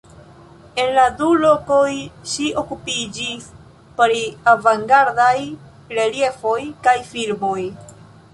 En la du lokoj ŝi okupiĝis pri avangardaj reliefoj kaj filmoj.